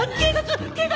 警察！